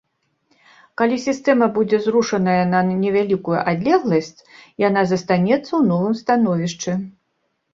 Калі сістэма будзе зрушаная на невялікую адлегласць, яна застанецца ў новым становішчы.